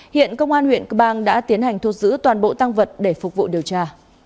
hiện công an huyện cơ bang đã tiến hành thu giữ toàn bộ tăng vật để phục vụ điều tra